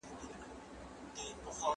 هغوی باید په جومات کې ارام کښېني.